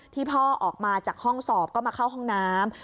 พ่อออกมาจากห้องสอบก็มาเข้าห้องน้ำ